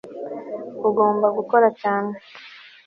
ugomba gukora cyane